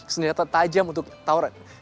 senjata tajam untuk tawuran